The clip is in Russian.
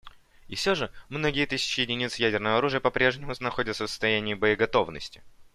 И все же многие тысячи единиц ядерного оружия попрежнему находятся в состоянии боеготовности.